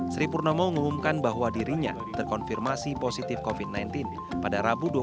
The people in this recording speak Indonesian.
sri purnomo mengumumkan bahwa dirinya terkonfirmasi positif covid sembilan belas pada rabu dua puluh januari dua ribu dua puluh satu